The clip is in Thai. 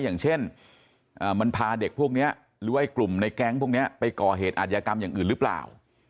อย่างเช่นมันพาเด็กพวกนี้หรือว่ากลุ่มในแก๊งพวกนี้ไปก่อเหตุอาธิกรรมอย่างอื่นหรือเปล่า